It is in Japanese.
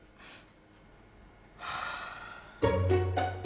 はあ。